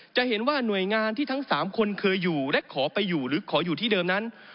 จะเห็นว่าหน่วยงานที่ทั้ง๓คนเคยอยู่และขอไปอยู่หรือขออยู่ที่เดิมนั้น